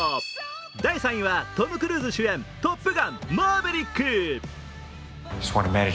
第３位はトム・クルーズ主演「トップガンマーヴェリック」。